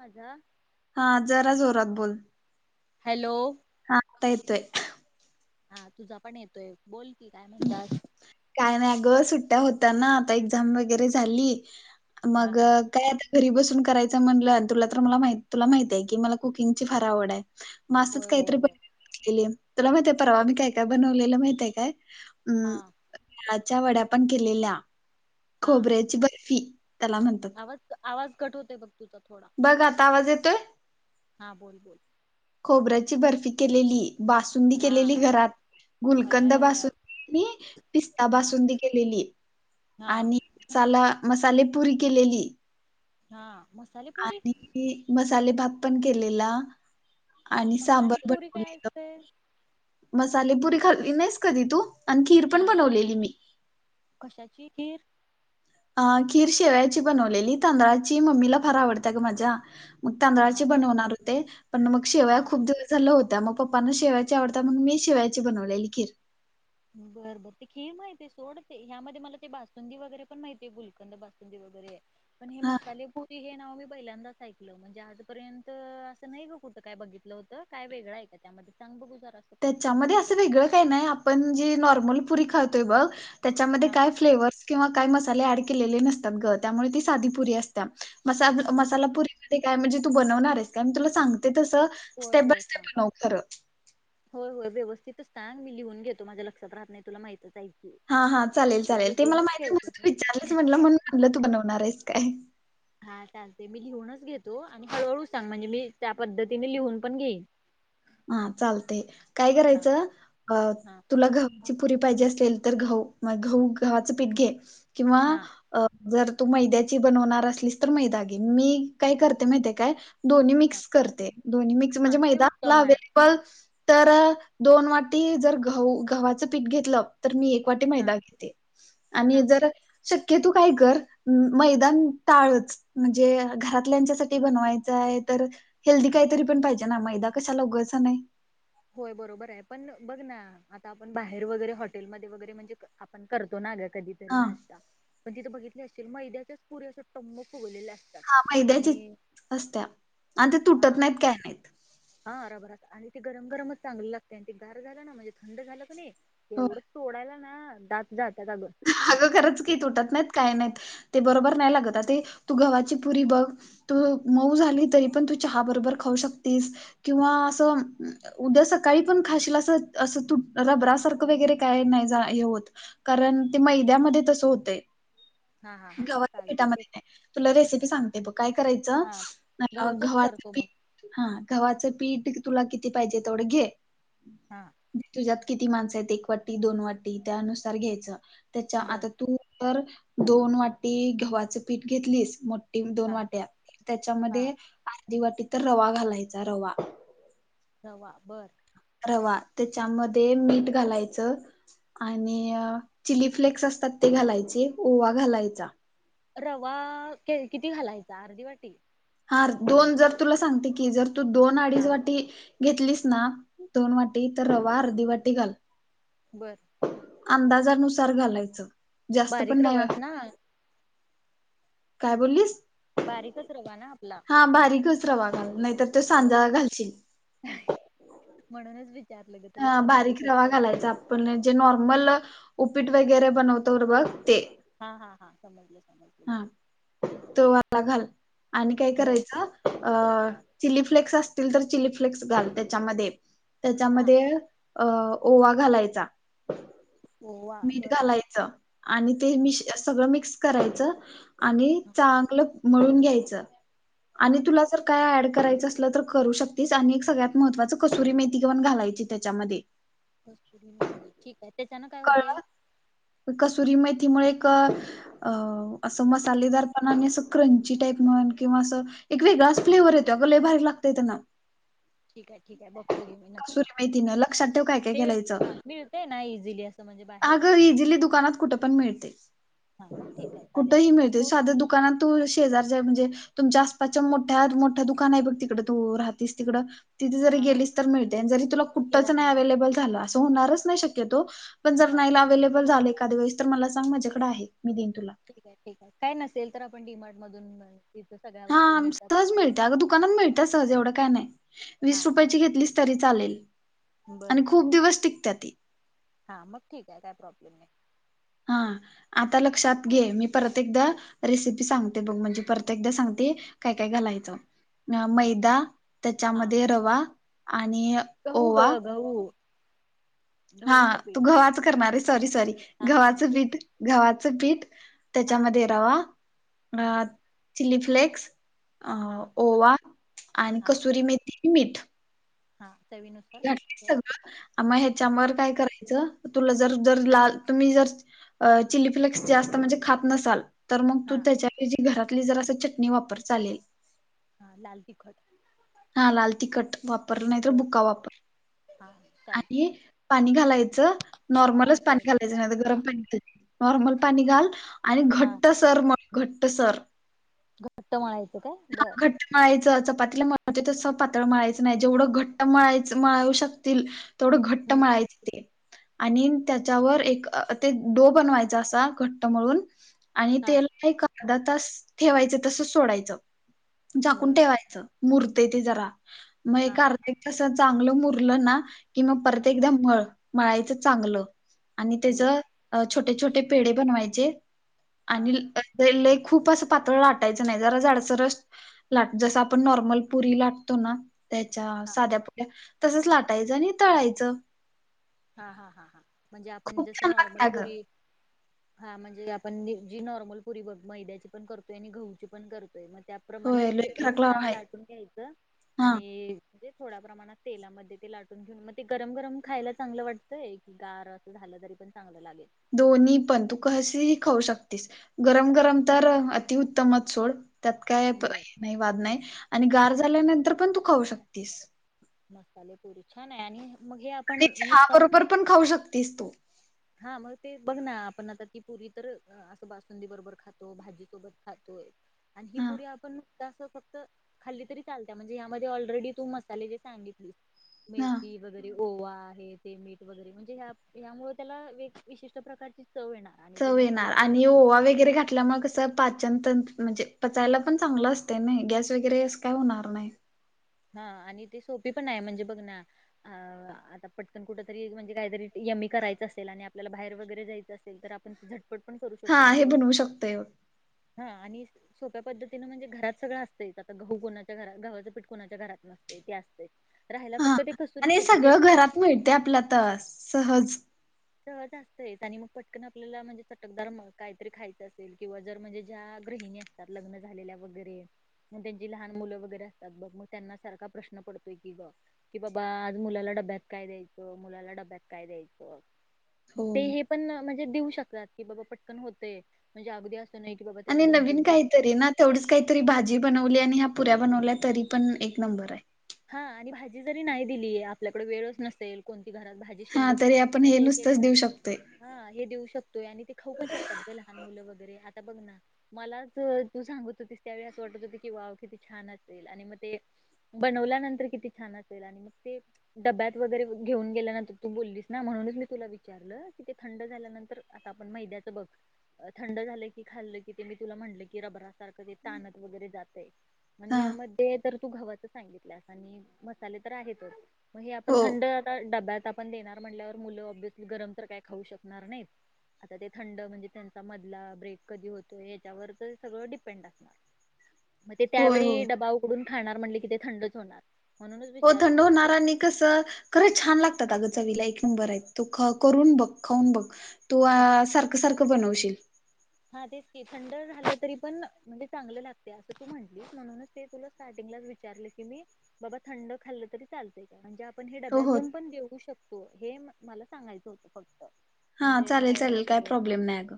हाजा. हा जरा जोरात बोल. हॅलो. हा आता येतोय. हा तुझा पण येतोय. बोल की, काय म्हणतात? काय नाही अग. सुट्ट्या होता ना. आता एक्झाम वगैरे झाली. हा मग हा काय आता घरी बसून करायचं म्हणलं. तुला तर मला माही तुला माहिते. की मला कुकिंगची फार आवडे. म असाच होय होय काहीतरी होय बनवत बसलेले. तुला माहितय परवा मी काय काय बनवलेलं माहितय काय? हां. नारळाच्या वड्या पण केलेल्या. हा खोबऱ्याची बर्फी. त्याला म्हणत आवाज आवाज कट होतोय बघ. तुझा थोडा. बघा आता आवाज येतोय. हां बोल बोल. खोबऱ्याची बर्फी केलेली. बासुंदी हा केलेली घरात. गुलकंद अ बासुंदी, पिस्ता बासुंदी केलेली. हा. साला मसाले पुरी केलेली. हा मसाले पुरी. आणि मसाले भाात पण केलेला. आणि सांबर मसाले पुरी काय बनवलेलं. असते मसालेपुरी खाल्ली नाहीस कधी तू. आणि खीर पण नाही बाय बनवलेली मी. कशाची खीर. अ खीर शेवयाची बनवलेली. तांदळाची मम्मीला फार आवडतेय ग माझ्या. मग हा हा तांदळाचे हा बनवणार होते. पण मग शेवय हा खूप दिवस झालं होत्या. मग पप्पांना शेवायची आवडता. मग मी शेवायची बनवलेली खीर. बरं बर. ते खीर माहतीे सोड. ते ह्यामध्ये मला ते बासुंदी वगैरे पण माहितीये. गुलकंद बासुंदी वगैरे. पण हे हा मसालेपुरी हे नाव मी पहिल्यांदाच ऐकलं. म्हणजे इआजपर्यंत असं नाही ग कुठं काय बघितलं होतं. काय वेगळं का त्यामध्ये? सांग बगू जरास. त्याच्यामध्ये असं वेगळं काही नाही. आपण जे नॉर्मल पुरी खातातोय बघ. त्याच्यामध्ये हा काय, फ्लेवर्स किंवा काय मसाले ऍड केलेले नसतात ग. त्यामुळे ती साधीपुरी असते. म हा हा हा मसाला पुरीमध्ये काय, म्हणजे तू बनवणारे काय मी तुला सांगते तस. होय होय सांग. होय होय व्यवस्थितच सांग. मी लिहून घेतो. माझ्या लक्षात राहत नाही तुला माहितच आहे की. हा हा. चालेल चालेल. ते मला लिहूनच माहितीये. ठेवते म्हणून त मी विचारलं म्हटलं म्हणून म्हणलं तू बनवणारेस काय? हा चालते. मी लिहूनच घेतो. आणि हळहळू सांग. म्हणजे मी त्या पद्धतीने लिहून पण घेईन. हा चालतय. काय हा करायचं, अ हा तुला घ ची पुरी पाहिजे असेल. तर गहू गहू गव्हाच पीठ घे. किंवा हा अ जर तू मैद्याची बनवणार असलीस तर, मैदा घे. मी काय करते माहिते काय? दोन्ही हा मिक्स करते. दोन्ही मिक्स हा म्हणजे, हे मैदा आपला उत्तम हवे आहे सल. तर दोन वाटी जर गहु, गव्हाचं पीठ घेतलं. तर मी एक वाटी हा मैदा घेते. आणि हा हा जर शक्य तू काय कर मैदान टाळच. म्हणजे घरातल्यांच्यासाठी बनवायचं आहे, तर हेल्दी काहीतरी पण पाहिजे ना मैदा. कशाला लोघाचं नाही. होय बरोबर आहे पण बघ ना आता आपण बाहेर वगैरे, हॉटेलमध्ये वगैरे, म्हणजे आपण करतो ना ग कधी तरी हां, नाश्ता पण तिथं बघितली असशील मैद्याच्याच पुरे अस टम्म फुगलेल्या अस हा मैद्याचीच असत्या आणि ते हा तुटत नाहीत काय नाहीत. हा रबरच आणि ती गरम गरमच चांगली लागते, आणि ते गार झालं ना म्हणजे थंड झालं कनी ते होय. एवढंच तोडायला ना दात जात्यात अगं! अगं खरंच की तुटत नाहीत काय नाहीत ते बरोबर नाही लागत आ ते तू गव्हाची पुरी बघ. तू मऊ झाली तरी पण तू चहा बरोबर खाऊ शकतेस, किंवा असं उद्या सकाळी पण खाशीला अस असं तु रबरा सारखं वगैरे काय नाही हे होत. कारण ते मैद्यामध्ये तस होतय, हा हा हा गव्हाच्या चालते ते पिठामध्ये नाही‌. तुला रेसिपी सांगते बघ काय करायचं हा गहूचच गव्हाच करतो पी मग हा गव्हाचं पीठ तुला किती पाहिजे तेवढं घे. हां. तुझ्यात किती माणसं आहेत एक वाटी, दोन वाटी, त्यानुसार घ्यायचं. त्याच्या बर आता तू तर दोन वाटी गव्हाचं पीठ घेतलीस. दोन हा वाट्या हा त्याच्यामध्ये आर्धी वाटी तर रवा घालायचा रवा. रवा बरं! रवा त्याच्यामध्ये मीठ घालायचं. आणि अं चिलीफ्लेक्स असतात ते घालायचे. ओवा घालायचा. रवा किती घालायचा? अर्धी वाटी. हा दोन जर तुला सांगते की जर तू दोन अडीच हा वाटी घेतलीस ना दोन वाटी तर रवा अर्धी वाटी घाल. बरं! अंदाजानुसार घालायचं. जास्त पण बारीक नाही रवास ना. काय बोललीस? बारीकच रवा ना आपला? ह बारीकच रवा घाल. नाहीतर तो तर सांजा घालशील. म्हणूनच विचारलं ग हा तुला बारीक बारीकच रवा काय म्हणून ‌. घालायचा आपण जे नॉर्मल उपीट वगैरे बनवतो बघ ते. हा हा हां समजल समजल. हा तो वाला घाल आणि काय बर करायचं? अ चिली फ्लेक्स असतील तर चिली फ्लेक्स घाल त्याच्यामध्ये हा त्याच्यामध्ये अं ओवा घालायचा. ओवा मीठ बर घालायचं आणि ते मि सगळं मिक्स करायचं. आणि चांगलं मळून घ्यायचं आणि हा तुला जर काय ऍड करायचं असलं तर करू शकतेस. आणि एक सगळ्यात महत्वाचं कसुरी मेथी घेन घालायची त्याच्यामध्ये. कसूरी मेथी ठीक आहे. त्याच्यानं काय कळलं होतंय? कसुरी मेथीमुळे एक अं असं मसालेदारपणाने असं क्रंची टाईप म्हणून किंवा असं एक वेगळाच फ्लेवर येतो अग लय भारी लागतय त्यानं. ठीक आहे ठीकय बघतो घे मी नक्की. कसुरी मेथीनं लक्षात ठेव काय काय ते, घालायचं. हा मिळतेय ना इझिली असं म्हणजे बाहेर अगं दुकानात. इझिली दुकानात कुठ पण मिळते, हा मग ठीक आहे कुठे चालेल घे ही मिळते कस्तुरी साध्या मेथी दुकानात. तू शेजारच्या म्हणजे तुमच्या आसपासच्या मोठ्या मोठ्या दुकान आहे बघ तिकड तू राहतेस तिकड. तिथे जरी हा हा गेलीच तर मिळते जरी तुला कुठंच किराणा नाही माल अव्हेलेबल झालं असं होणारच नाही शक्यतो. पण जर हा नाहीला अवेलेबल झाले एखाद्यावेळेस तर मला सांग माझ्याकडे आहे मी देईन तुला. ठीक आहे ठीक आहे काय नसेल तर आपण डीमार्ट मधून त सगळ हा सहज मिळत अगं दुकानात मिळत सहज एवढं काय नाही वीस हा मग रुपयाची चालेल घेतलीस तरी चालेल बर आणि बर खूप दिवस टिकत ती. हा, मग ठीक आहे काय प्रॉब्लेम नाही. हा आता लक्षात घे मी परत एकदा रेसिपी सांगते बघ म्हणजे परत एकदा सांगते काय काय हा घालायचं हा मैदा त्याच्यामध्ये रवा आणि घऊ ओवा ग घऊ हा तू गव्हाच करणार आहे सॉरी सॉरी हा गव्हाचं पीठ गव्हाचं पीठ हा त्याच्यामध्ये ये हा रवा चिली फ्लेक्स अ हा ओवा आणि हा कस्तुरी मेथी मीठ हा चवी न घ सगळं आ ह्याच्यावर काय करायच तुला जर जर लाल तुम्ही जर चिली फ्लेक्स जास्त म्हणजे खात नसाल तर मग तू हा त्याच्या ऐवजी घरातली जर असं चटणी वापर चालेल हा लाल तीखट हा लाल तिखट वापर नाही तर बर बुक्का वापर हा चालत आणि पाणी घालायचं नॉर्मलच पाणी बर घालायचं नाही गरम पाणी नॉर्मल पाणी घाल आणि हा घट्ट सर घट्ट सर घट्ट म्हणायचं काय बर घट्ट माळायचं चपातीला म्हे तसं पातळ मळायचं नाही जेवढं घट्ट मळायच मळू शकशील थोडं घट्ट हम्म मळायच ते आणि त्याच्यावर एक ते डो बनवायचा असा घट्ट म्हळून आणि हा तेला एक अर्धा तास ठेवायचं तसच सोडायचं झाकून बर ठेवायचं मुरते ते जरा मग हा एक हा अर्ध्या हा एक तासात चांगलं मुरलं ना कि मग परत हा एकदा मळ मळायचं चांगलं आणि त्याच बर अ छोटे छोटे पेढ बनवायचे हा आणि खूप असं पातळ लाटायचं नाही जरा जाडसर लाट जस आपण नॉर्मल पुरी लाटतो ना त्याच्या हा साध्या पुरी्या तसच लाटायचं आणि तळायचं हा हा हा हा म्हणजे आपण खूप जसं छान नॉर्मल लागते अगं पुरी हा म्हणजे आपण जी नॉर्मल पुरी ब मैद्याची पण करतोय आणि घहूची पण करतोय म त्याप्रमाणच होय ते लय फरक लहान लाव लहान आहे लाटून घ्यायचं हा आणि े थोड्या प्रमाणात तेलामध्ये ते लाटून घेऊन मग ते गरम गरम खायला चांगलं वाटतंय की गार असं झालं तरी पण चांगलं लागेल दोन्ही पण तू कसही खाऊ शकतेस गरम गरम तर अतिउत्तमच सोड त्यात काय बर नाही वाद नाही आणि गार झाल्यानंतर पण तू खाऊ शकतेस मसालेप पुरी छान आहे आणि मग हे आणि आपण चहा नुसता बरोबर पण खाऊ शकतेस तू हा मग ते बघ ना आपण आता ती पुरी तर असं बासुंदी बरोबर खातो भाजीसोबत खातोय आणि ही हा पुरी आपण फक्त खाली तरी चालत म्हणजे यामध्ये ऑलरेडी तू मसाले जे सांगितली हा मेथी वगैरे ओवा आहे ते मीठ वगैरे म्हणजे ह्या ह्यामुळे त्याला वे विशिष्ट प्रकारची चव येणार आणि च ती मसाला येणार पुरी आणि ओवा वगैरे घातल्या मग असं पाचनत म्हणजे पचायला पण चांगलं असते नाही गॅस वगैरे अस काय होणार नाही हा आणि ते सोपी पण आहे म्हणजे बघ ना अ आता पटकन कुठ तरी म्हणजे काहीतरी यमी करायचं असेल आणि आपल्याला बाहेर वगैरे जायचं असल तर आपण झटपट पण करू हा शकतो म्हणजे हे बघ. बनवू शकतोय बघ. हा आणि सोप्या पद्धतीनं म्हणजे घरात सगळं असतंच आता गहू कोणाच्या घरात घवाच पिठ कोुणाच्या घरात नसते ते असते. हा आणि हे सगळं घरात मिळते आपल्या तर सहज. सह जास्त आहेत आणि मग पटकन आपल्याला म्हणजे चटकदार काहीतरी खायचं असेल किंवा जर म्हणजे ज्या गृहिणी त्यात लग्न झालेल्या वगैरे. मग त्यांची लहान मुलं वगैरे असतात बघ मग त्यांना सारखा प्रश्न पडतोय की ब कि बाबा आज मुलाला डब्याक काय द्यायचो मुलाला डब्याक काय द्यायचं. मग हो ते हे पण म्हणजे देऊ शकतात की बाबा पटकन होते म्हणजे अगदी अस. नाही की बाबा त्याला आणि दोन नवीन तीन तास काहीतरी ना तेवढीच काहीतरी भाजी बनवली आणि ह्या पुऱ्या बनवल्या तरी पण एक नंबर आहे. हा आणि भाजी जरी नाही दिली आपल्याकडे वेळच नसेल कोणती घरात भाजी हा शिल्लक तरी आपण हे म्हणजे एक नुसतंच एकदा देऊ शकतोय हा हे देऊ शकतोय आणि ते खाऊ पण शकतात ग लहान मुलं वगैरे आता बघ ना. मलाच तू सांगत होतीस त्यावेळी असं वाटत होत की वाव किती छान असेल आणि मग ते बनवल्यानंतर किती छान असेल आणि मग ते डब्यात वगैरे घेऊन गेल्यानंतर तू बोललीस ना म्हणूनच मी तुला विचारलं कि ते थंड झाल्यानंतर आता आपण मैद्याचं बघ. थंड झालं की खाल्लं की ते मी तुला म्हटलं की रबरासारखं ते ताणत वगैरे जात आहे. आणि हा यामध्ये तर तू घवाच सांगितलंस आणि मसाले तर आहेतच. मग हे आपण हो थंड आता डब्यात आपण देणार म्हटल्यावर मुलं ऑब्ियसली गरम तर काही खाऊ शकणार नाहीत. आता ते थंड म्हणजे त्यांचा मधला ब्रेक कधी होतोय याच्यावर तर सगळं डिपेंड आहेत. मग ते होय त्यावेळी होय डबा उघडून खाणार म्हणले कि ते थंडच होणार. म्हणूनच हो विचारलं थड तुला की नाराणनी कस खरं छान लागतात अगचा विला एक नंबर आहे तो करून बघ खाऊन बघ. तू हा सारखं सारखं बनवशील. हा तेच ते थंड झालं तरी पण म्हणजे चांगलं लागते असं तू म्हटलीस म्हणूनच ते तुला स्टार्टिंगलाच विचारलं की मी बाबा थंड खाल्लं तरी चालतं. म्हणजे आपण हे हो हो डब्यातून पण देऊ शकतो हे मला सांगायचं होतं फक्त म्हणजे बाहेर वगैरे नाहीग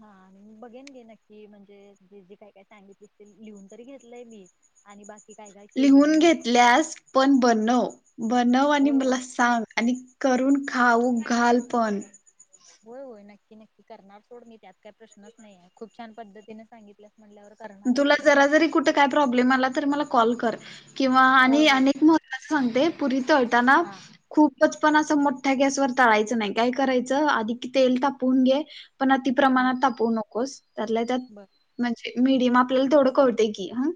हा आणि बघेन गे नक्की म्हणजे जे जे काय काय सांगितलं ते लिहून तरी घेतलंय मी आणि बाकी काय काय केलेली. लॅस पण बनव बनव आणि होय मला होय सांग आणि करून खाऊ घाल पण होय होय नक्की नक्की करणार सोड म त्यात काही प्रश्नच नाहीे खूप छान पद्धतीने सांगितल्यास म्हटल्यावर तुला जरा जरी कुठे काय प्रॉब्लेम आला तरी मला कॉल कर. किंवा आणि होय होय अनेक महत्वाच सांगते पुरी तळताना. हा खूपच पण असं मोठ्या गॅसवर टळायचं नाही काय करायचं आधी क तेल तापवून घे पण अति हम्म प्रमाणात तापवू नकोस त्यातला त्यात बर म्हणजे मीडियम आपल्याला थोडं क होतं की ह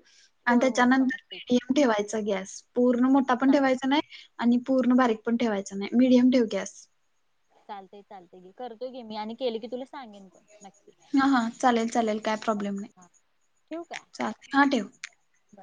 आणि होय होय समजते त्याच्यानंतरडय ठेवायचा गॅस पूर्ण मोठा पण चाल ठेवायचा नाही. आणि पूर्ण बारीक पण ठेवायचं नाही मिडियम ठेव गॅस चालतंय चालतय गे करतोय गे मी आणि केले की तुला सांगेन पण नक्की. हा हा चालेल चालेल काय प्रॉब्लेम हा ठेवू काय नाही चाल हा ठेव. बर